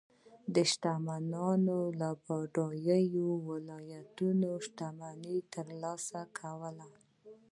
سناتورانو له بډایو ولایتونو شتمني ترلاسه کوله